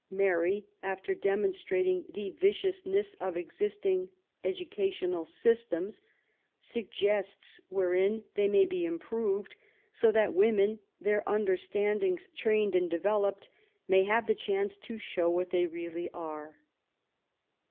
Mary, after demonstrating the viciousnesa of existing educational systems, suggests wherein they may be improved, so that women, their understandings trained and developed, may have the chance to show what they really are.